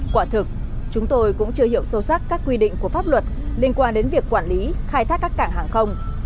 quả thực chúng tôi cũng chưa hiểu sâu sắc các quy định của pháp luật liên quan đến việc quản lý khai thác các cảng hàng không